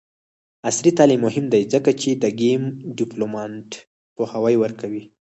عصري تعلیم مهم دی ځکه چې د ګیم ډیولپمنټ پوهاوی ورکوي.